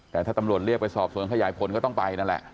แต่ถ้าตำรวจเรียกไปสอบสวนขยายผลก็ต้องไปนั่นแหละ